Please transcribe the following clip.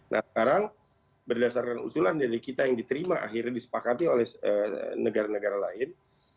nah sekarang berdasarkan usulan dari kita yang diterima akhirnya disepakati oleh negara negara lain